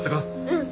うん！